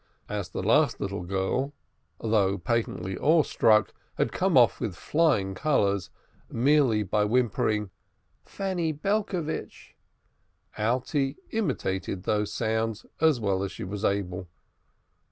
As the last little girl, though patently awe struck, had come off with flying colors, merely by whimpering "Fanny Belcovitch," Alte imitated these sounds as well as she was able.